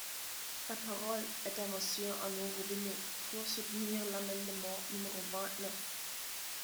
La parole est à Monsieur Arnaud Robinet, pour soutenir l’amendement numéro vingt-neuf.